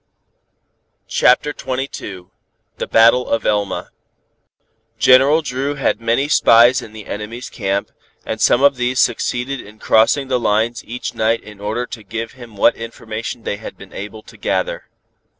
CHAPTER XXII THE BATTLE OF ELMA General Dru had many spies in the enemies' camp, and some of these succeeded in crossing the lines each night in order to give him what information they had been able to gather.